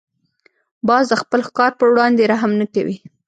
باز د خپل ښکار پر وړاندې رحم نه کوي